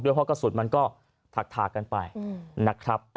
เพราะกระสุนมันก็ถากกันไปนะครับ